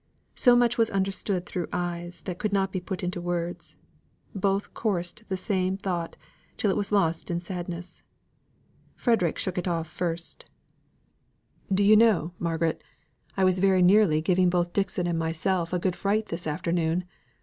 So much was understood through eyes that could not be put into words. Both coursed the same thought till it was lost in sadness. Frederick shook it off first: "Do you know, Margaret, I was very nearly giving both Dixon and myself a good fright this afternoon.